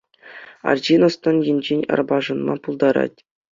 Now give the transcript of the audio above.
Арҫын ӑс-тӑн енчен арпашӑнма пултарать.